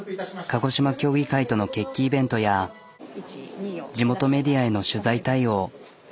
鹿児島協議会との決起イベントや地元メディアへの取材対応。